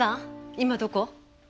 今どこ？